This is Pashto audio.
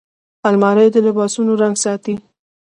الماري د لباسونو رنګ ساتي